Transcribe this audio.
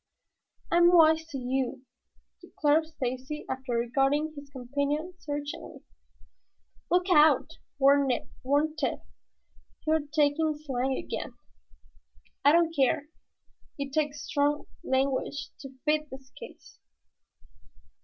'" "I'm wise to you," declared Stacy, after regarding his companion searchingly. "Look out!" warned Tad. "You are talking slang again." "I don't care. It takes strong language to fit this case."